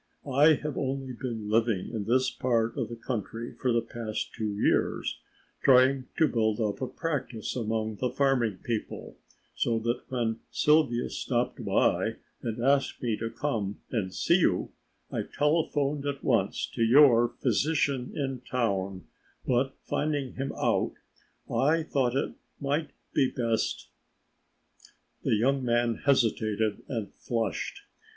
I have only been living in this part of the country for the past two years, trying to build up a practice among the farming people, so that when Sylvia stopped by and asked me to come and see you I telephoned at once to your physician in town, but finding him out I thought it might be best " The young man hesitated and flushed.